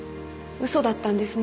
うそだったんですね？